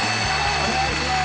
お願いします。